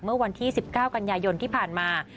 เมื่อวันที่๑๙กันยายนที่ผ่านมา